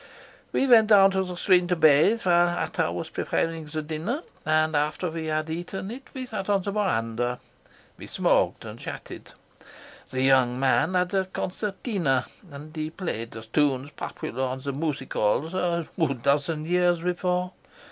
"We went down to the stream to bathe while Ata was preparing the dinner, and after we had eaten it we sat on the verandah. We smoked and chatted. The young man had a concertina, and he played the tunes popular on the music halls a dozen years before.